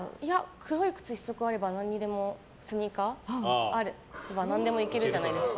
黒い靴１足あればスニーカーあれば何でもいけるじゃないですか。